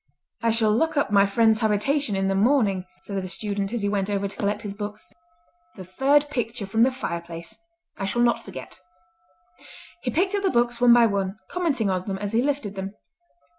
"I shall look up my friend's habitation in the morning," said the student, as he went over to collect his books. "The third picture from the fireplace; I shall not forget." He picked up the books one by one, commenting on them as he lifted them.